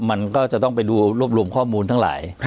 มันก็จะต้องไปดูรวบรวมข้อมูลทั้งหลาย